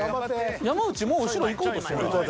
［山内もう後ろ行こうとしてない？］